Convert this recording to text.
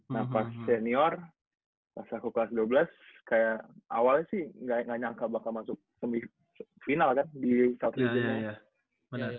nah pas senior pas aku kelas dua belas kayak awalnya sih gak nyangka bakal masuk semifinal kan di south leisure ini